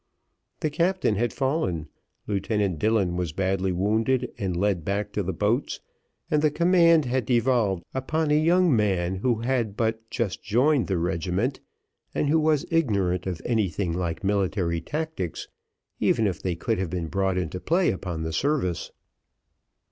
The captain had fallen, Lieutenant Dillon was badly wounded and led back to the boats, and the command had devolved upon a young man who had but just joined the regiment, and who was ignorant of anything like military tactics, even if they could have been brought into play upon the service.